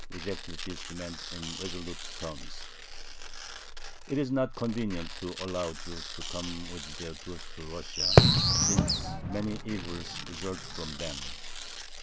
rejected this demand in resolute terms: It is not convenient to allow Jews to come with their goods to Russia, since many evils result from them.